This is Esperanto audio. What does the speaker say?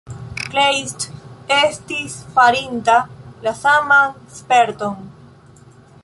Kleist estis farinta la saman sperton.